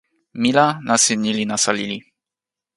mi la nasin ni li nasa lili.